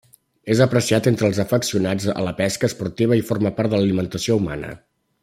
És apreciat entre els afeccionats a la pesca esportiva i forma part de l'alimentació humana.